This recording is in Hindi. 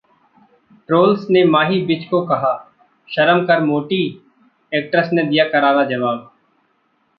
ट्रोल्स ने माही विज को कहा- 'शरम कर मोटी', एक्ट्रेस ने दिया करारा जवाब